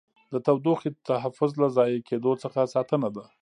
د تودوخې تحفظ له ضایع کېدو څخه ساتنه ده.